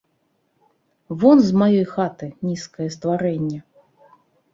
Вон з маёй хаты, нізкае стварэнне!